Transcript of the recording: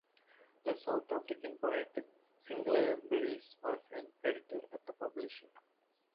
The South African poet Sinclair Beiles was an editor at the publisher.